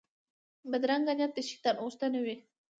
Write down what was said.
بدرنګه نیت د شیطان غوښتنه وي